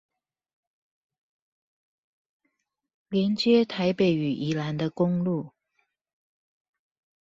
連接臺北與宜蘭的公路